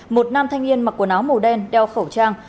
một nam thanh niên mặc quần áo màu đen đeo khẩu trang